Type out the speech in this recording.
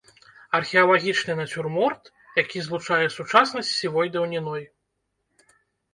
Археалагічны нацюрморт, які злучае сучаснасць з сівой даўніной.